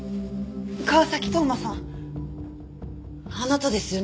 川崎斗真さんあなたですよね？